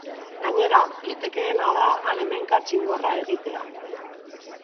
Gainera, litekeena da han-hemenka txingorra egitea.